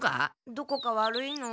どこか悪いの？